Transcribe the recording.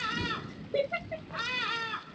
তিনি ধারাবাহিকভাবে খেলা প্রদর্শন করেছিলেন।